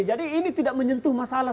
jadi ini tidak menyentuh masalah